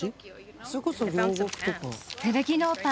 それこそ両国とか。